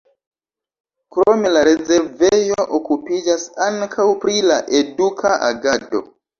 Krome la rezervejo okupiĝas ankaŭ pri la eduka agado.